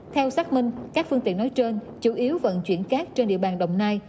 theo xác minh các phương tiện nói trên chủ yếu vận chuyển cát trên địa bàn đồng nai